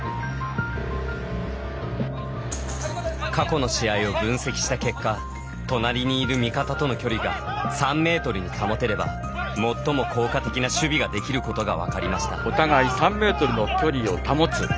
過去の試合を分析した結果となりにいる味方との距離が３メートルに保てれば最も効果的な守備ができることが分かりました。